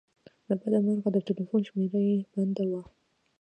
له بده مرغه د ټیلیفون شمېره یې بنده وه.